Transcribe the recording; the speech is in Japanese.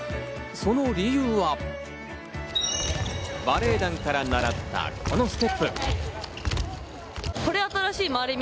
その理由は、バレエ団から習ったこのステップ。